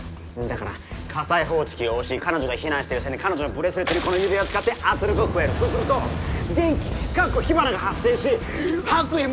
だから火災報知器を押し彼女が避難してる際に彼女のブレスレットにこの指輪を使って圧力を加えるそうすると電気が発生し白衣